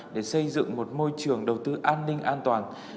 để xây dựng một môi trường đầu tư an ninh an toàn